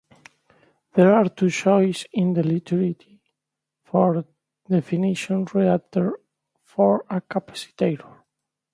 There are two choices in the literature for defining reactance for a capacitor.